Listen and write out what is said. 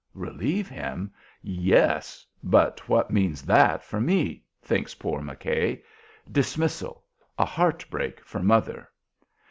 Relieve him? Yes; but what means that for me? thinks poor McKay. Dismissal; a heart break for mother.